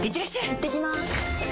いってきます！